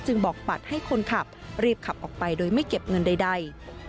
บอกปัดให้คนขับรีบขับออกไปโดยไม่เก็บเงินใด